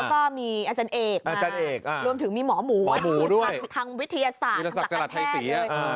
แล้วก็มีอาจารย์เอกรวมถึงมีหมอหมูทางวิทยาศาสตร์ทางศักดรรทัยศรี